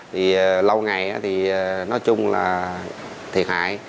thì lâu ngày thì nói chung là